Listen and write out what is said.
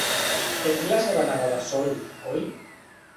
Ets la seva neboda Sol, oi?